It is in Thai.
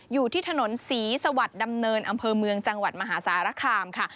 อยู่ที่ถนนศรีสวัสดิ์ดำเนินอำเภอเมืองจังหวัดมหาสารคามค่ะ